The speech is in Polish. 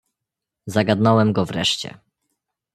"„zagadnąłem go wreszcie."